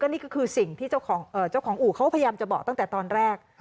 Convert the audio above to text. นี่ก็คือสิ่งที่เจ้าของอู่เขาพยายามจะบอกตั้งแต่ตอนแรก